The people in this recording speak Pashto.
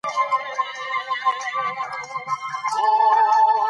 افغانستان کې د مزارشریف په اړه زده کړه کېږي.